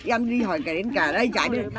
em đi hỏi cái đến cả đây trái biết được